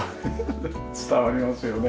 伝わりますよね。